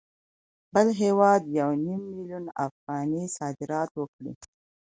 بل هېواد یو نیم میلیون افغانۍ صادرات وکړي